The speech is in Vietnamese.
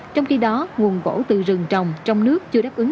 trong khi đó nguồn gỗ từ rừng trồng trong nước chưa đáp ứng